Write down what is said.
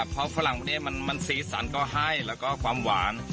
เพราะฝรั่งพวกนี้มันสีสันก็ให้แล้วก็ความหวาน